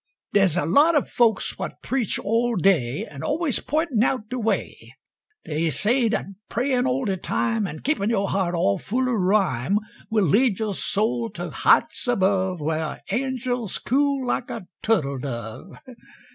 Da's a lot of folks what preach all day An' always pointing' out de way, Dey say dat prayin' all de time An' keepin' yo' heart all full of rhyme Will lead yo' soul to heights above Whah angels coo like a turtledove.